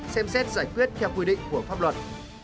xem xét giải quyết theo quy định của pháp luật